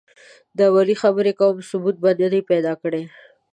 د اولې خبرې کوم ثبوت ما نه دی پیدا کړی.